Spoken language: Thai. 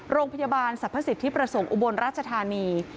โรงพยาบาลสรรพสิทธิประสงค์อุบลราชธานี